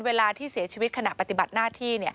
เวลาที่เสียชีวิตขณะปฏิบัติหน้าที่